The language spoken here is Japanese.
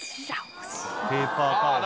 ペーパータオル。